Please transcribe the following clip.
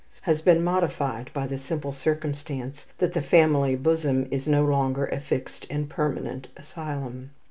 has been modified by the simple circumstance that the family bosom is no longer a fixed and permanent asylum.